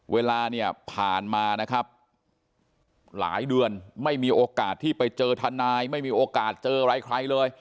เวลาเนี่ยผ่านมานะครับหลายเดือนไม่มีโอกาสที่ไปเจอทนายไม่มีโอกาสเจออะไรใครเลย